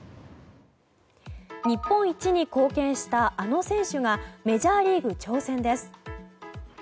日本一に貢献したあの選手がメジャーリーグ挑戦です。